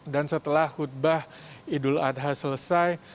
dan setelah khutbah idul adha selesai